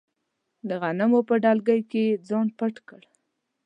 د غنمو په دلۍ کې یې ځان پټ کړ.